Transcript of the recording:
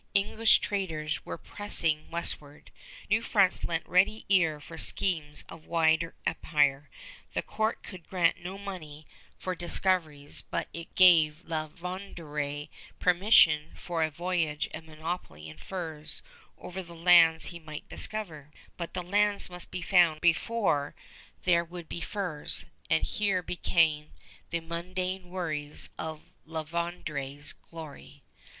English traders were pressing westward. New France lent ready ear for schemes of wider empire. The court could grant no money for discoveries, but it gave La Vérendrye permission for a voyage and monopoly in furs over the lands he might discover; but the lands must be found before there would be furs, and here began the mundane worries of La Vérendrye's glory.